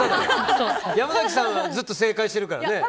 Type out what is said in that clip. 山崎さんはずっと正解してますからね。